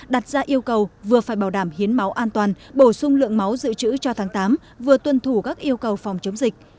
đặt ra yêu cầu vừa phải bảo đảm hiến máu an toàn bổ sung lượng máu dự trữ cho tháng tám vừa tuân thủ các yêu cầu phòng chống dịch